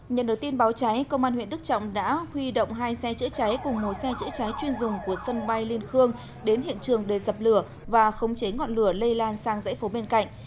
nhận được tin báo cháy công an huyện đức trọng đã huy động hai xe chữa cháy cùng một xe chữa cháy chuyên dùng của sân bay liên khương đến hiện trường để dập lửa và khống chế ngọn lửa lây lan sang dãy phố bên cạnh